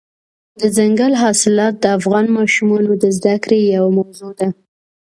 دځنګل حاصلات د افغان ماشومانو د زده کړې یوه موضوع ده.